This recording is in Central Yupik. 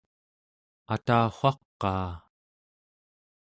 atawaqaa!